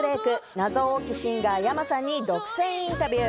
謎多きシンガー、ｙａｍａさんに独占インタビュー。